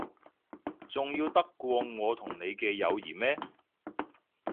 重要得過我同你嘅友誼咩？